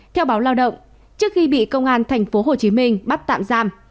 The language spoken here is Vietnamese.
theo báo lao động trước khi bị công an tp hcm bắt tạm giam